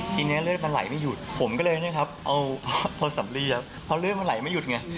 ทีนี้เลือดมันไหลไม่หยุดผมก็เลยเนี่ยครับเอาพลสำเรียเพราะเลือดมันไหลไม่หยุดไง